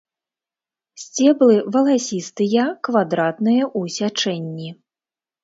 Сцеблы валасістыя, квадратныя ў сячэнні.